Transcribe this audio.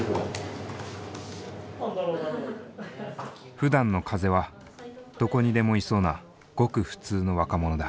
ふだんの風はどこにでもいそうなごく普通の若者だ。